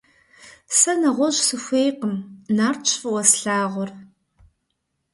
Сэ нэгъуэщӏым сыхуейкъым, Нартщ фӏыуэ слъагъур.